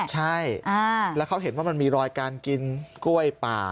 ใช่แล้วเขาเห็นว่ามันมีรอยการกินกล้วยป่า